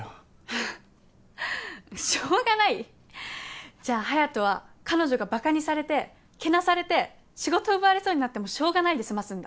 ふふっしょうがない？じゃあ隼斗は彼女がバカにされてけなされて仕事奪われそうになってもしょうがないで済ますんだ？